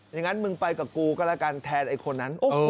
อย่างนั้นมึงไปกับกูก็แล้วกันแทนไอ้คนนั้น